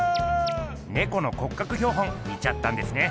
ねこの骨格標本見ちゃったんですね。